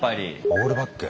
オールバック。